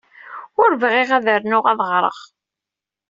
Ur bɣiɣ ad rnuɣ ad ɣreɣ.